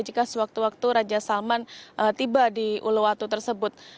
jika sewaktu waktu raja salman tiba di uluwatu tersebut